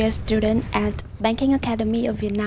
và đường long biên